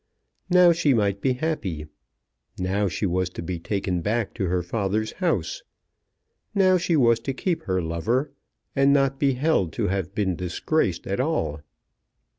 Now she might be happy. Now she was to be taken back to her father's house. Now she was to keep her lover, and not be held to have been disgraced at all.